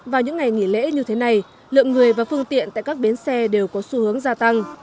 vào những ngày nghỉ lễ như thế này lượng người và phương tiện tại các bến xe đều có xu hướng gia tăng